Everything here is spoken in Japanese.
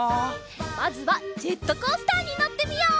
まずはジェットコースターにのってみよう！